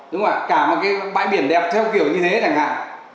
đúng là cả một cái bãi biển đẹp theo kiểu như thế đẳng hạng